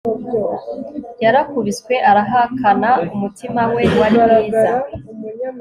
Yarakubiswe arahakana umutima we wari mwiza